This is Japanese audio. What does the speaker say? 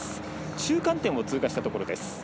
中間点を通過したところです。